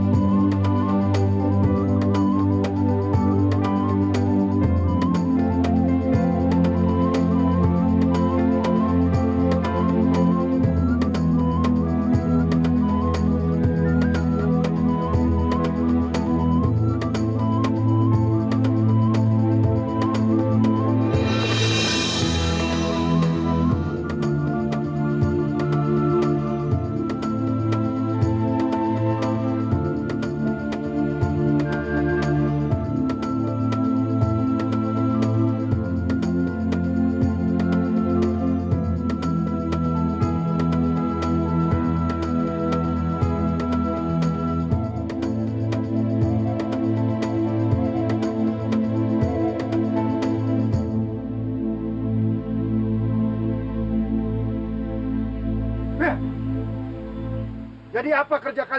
bahwa kau sudah berdua dapat berpikir